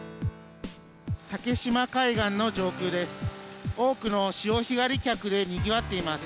竹島海岸の上空です。